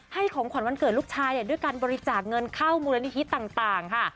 ของขวัญวันเกิดลูกชายด้วยการบริจาคเงินเข้ามูลนิธิต่างค่ะ